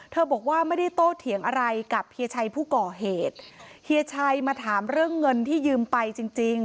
บอกว่าไม่ได้โตเถียงอะไรกับเฮียชัยผู้ก่อเหตุเฮียชัยมาถามเรื่องเงินที่ยืมไปจริงจริง